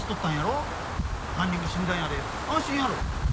犯人が死んだんやで安心やろ。